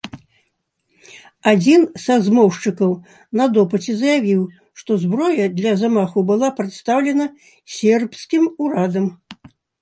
Адзін са змоўшчыкаў на допыце заявіў, што зброя для замаху была прадастаўлена сербскім урадам.